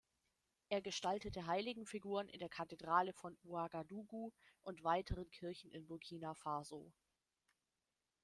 Er gestaltete Heiligenfiguren in der Kathedrale von Ouagadougou und weiteren Kirchen in Burkina Faso.